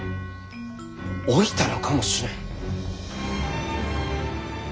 老いたのかもしれん。